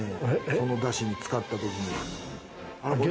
そのだしに使ったときに。